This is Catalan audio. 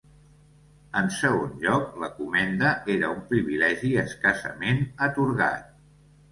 En segon lloc, la comenda era un privilegi escassament atorgat.